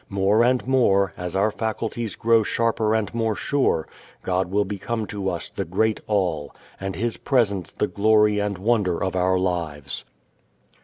More and more, as our faculties grow sharper and more sure, God will become to us the great All, and His Presence the glory and wonder of our lives.